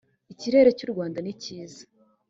ikirere cy u rwanda nikiza